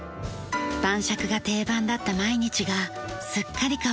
晩酌が定番だった毎日がすっかり変わったそうです。